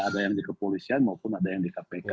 ada yang di kepolisian maupun ada yang di kpk